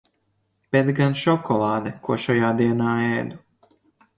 Bet gan šokolāde, ko šajā dienā ēdu.